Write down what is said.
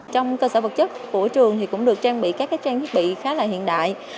trong cơ sở vật chất của trường thì cũng được trang bị các trang thiết bị khá là hiện đại